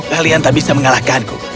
kalian tak bisa mengalahkanku